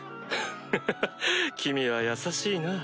ハハハ君は優しいな。